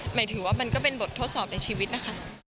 หมายถึงว่ามันก็เป็นบททดสอบในชีวิตนะคะ